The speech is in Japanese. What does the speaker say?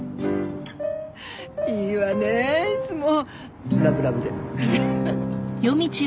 いいわねいつもラブラブで。